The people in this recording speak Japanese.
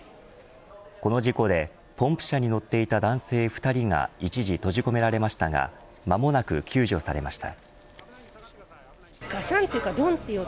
この事故で、ポンプ車に乗っていた男性２人が一時閉じ込められましたが間もなく救助されました。